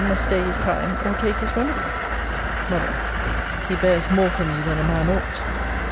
must stay his time, or take his remedy. M. He bears more from you than a man ought.